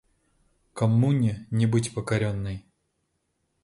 Коммуне не быть покоренной.